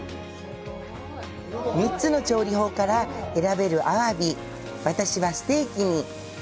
３つの調理法から選べるアワビ、私はステーキに。